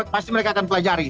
pasti mereka akan pelajari